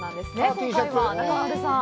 今回は中丸さん。